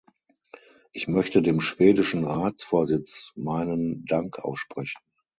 Ich möchte dem schwedischen Ratsvorsitz meinen Dank aussprechen.